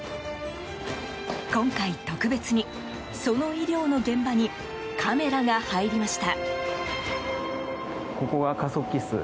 今回特別に、その医療の現場にカメラが入りました。